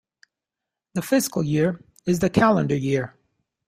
The fiscal year is the Calendar year.